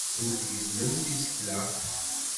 Ur tgezzmemt isekla.